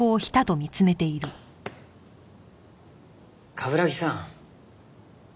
冠城さん。